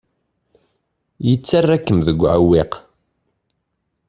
Yettarra-kem deg uɛewwiq.